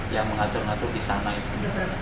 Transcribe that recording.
yang mengatur ngatur di sana itu